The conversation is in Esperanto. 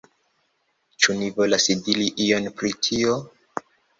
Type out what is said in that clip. Ĉu ni volas diri ion pri tio?